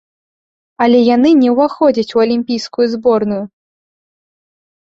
Але яны не ўваходзяць у алімпійскую зборную.